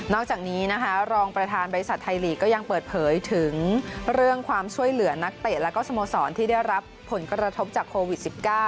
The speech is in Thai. จากนี้นะคะรองประธานบริษัทไทยลีกก็ยังเปิดเผยถึงเรื่องความช่วยเหลือนักเตะแล้วก็สโมสรที่ได้รับผลกระทบจากโควิด๑๙